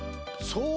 そう